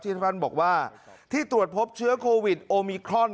ท่านบอกว่าที่ตรวจพบเชื้อโควิดโอมิครอน